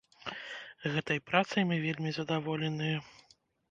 Гэтай працай мы вельмі задаволеныя.